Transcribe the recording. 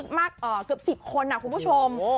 เกือบสิบคนนะคุณผู้ชม